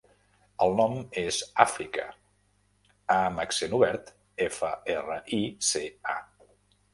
El nom és Àfrica: a amb accent obert, efa, erra, i, ce, a.